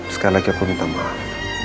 sekali lagi aku minta maaf